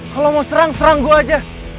kalau mau serang serang gue aja